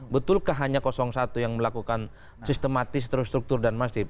betulkah hanya kosong satu yang melakukan sistematis terus struktur dan masif